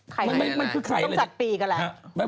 ไข่ตัวอ่อนมันคือต้องจัดปีกะละ